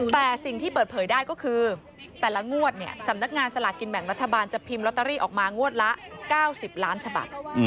แต่สิ่งที่เปิดเผยได้ก็คือแต่ละงวดสำนักงานสลากินแบ่งรัฐบาลจะพิมพ์ลอตเตอรี่ออกมางวดละ๙๐ล้านฉบับ